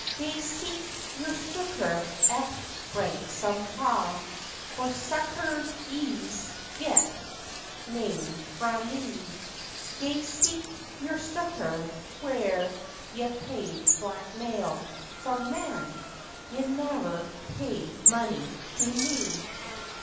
"Gae seek your succour at Branksome Ha'. For succour ye'se get nane frae me! Gae seek your succour where ye paid black mail, For, man! ye ne'er paid money to me."